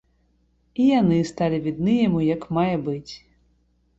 І яны сталі відны яму як мае быць.